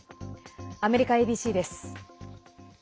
アメリカＡＢＣです。